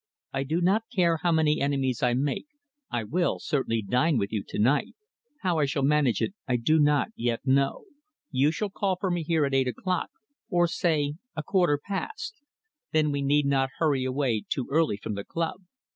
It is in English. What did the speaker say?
"I do not care how many enemies I make I will certainly dine with you to night. How I shall manage it I do not yet know. You shall call for me here at eight o'clock or say a quarter past, then we need not hurry away too early from the club.